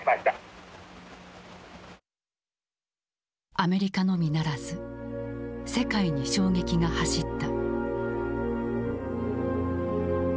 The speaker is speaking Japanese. アメリカのみならず世界に衝撃が走った。